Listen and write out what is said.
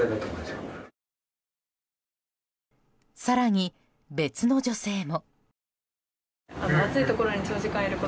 更に、別の女性も。